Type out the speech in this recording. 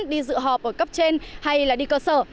đi dự họp ở cấp trên hay là đi cơ sở